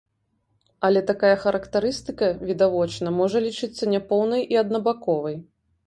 Але такая характарыстыка відавочна можа лічыцца няпоўнай і аднабаковай.